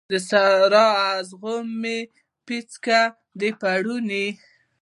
د سارا، اغزو مې پیڅکه د پوړنې